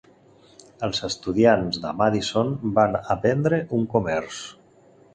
Els estudiants de Madison van aprendre un comerç.